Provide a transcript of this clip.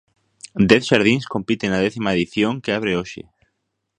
Dez xardíns compiten na décima edición que abre hoxe.